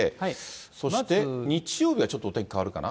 そして日曜日はちょっとお天気変わるかな？